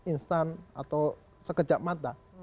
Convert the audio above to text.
instan atau sekejap mata